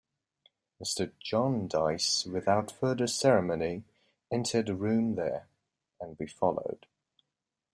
Mr. Jarndyce without further ceremony entered a room there, and we followed.